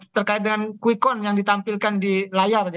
terkait dengan kuikon yang ditampilkan di layar